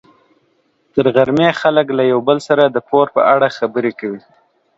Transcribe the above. تر غرمې خلک له یو بل سره د پور په اړه خبرې کوي.